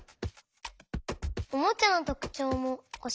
おもちゃのとくちょうもおしえて！